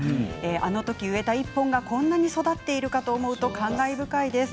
あの時、植えた１本がこんなに育っているかと思うと感慨深いです。